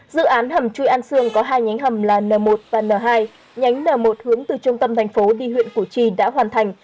dự án hầm chui an sương có hai nhánh hầm là n một và n hai nhánh n một hướng từ trung tâm thành phố đi huyện củ chi đã hoàn thành